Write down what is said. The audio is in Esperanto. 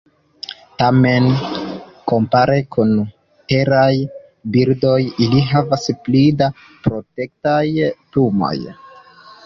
Tamen, kompare kun teraj birdoj, ili havas pli da protektaj plumoj.